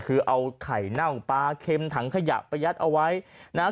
คือเอาไข่เน่าปลาเข็มถังขยะไปยัดเอาไว้นะฮะ